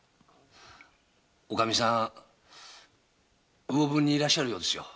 おかみさん“魚文”にいらっしゃるようですよ。